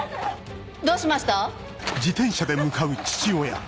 どうしました？